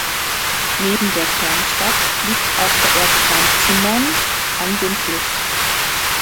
Neben der Kernstadt liegt auch der Ortsteil Zimmern an dem Fluss.